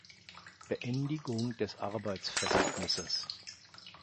Beendigung des Arbeitsverhältnisses.